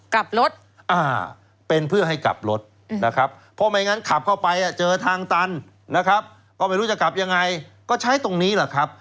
กลับรถเป็นเพื่อให้กลับรถนะครับเพราะไม่งั้นขับเข้าไปเจอทางตันนะครับก็ไม่รู้จะกลับยังไงก็ใช้ตรงนี้แหละครับ